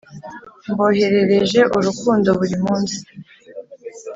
mboherereje urukundo buri munsi